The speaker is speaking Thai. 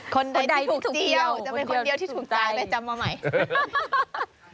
คนใดถูกเจียวจะเป็นคนเดียวที่ถูกจ่ายไปจำมาใหม่